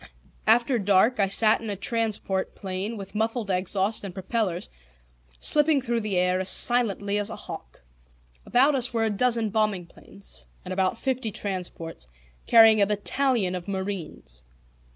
After dark I sat in a transport plane with muffled exhaust and propellers, slipping through the air as silently as a hawk. About us were a dozen bombing planes, and about fifty transports, carrying a battalion of marines.